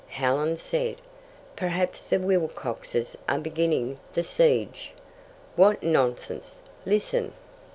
Helen said, "Perhaps the Wilcoxes are beginning the siege." "What nonsense listen!"